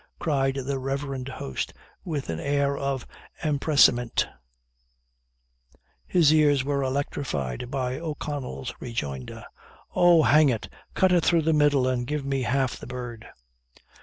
cried the reverend host, with an air of empressement. His ears were electrified by O'Connell's rejoinder "Oh! hang it, cut it through the middle, and give me half the bird!"